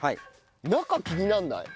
中気にならない？